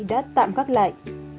đã tạm gác lại